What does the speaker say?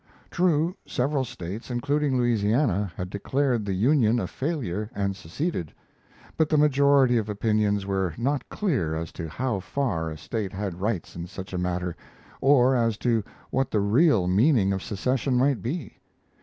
True, several States, including Louisiana, had declared the Union a failure and seceded; but the majority of opinions were not clear as to how far a State had rights in such a matter, or as to what the real meaning of secession might be.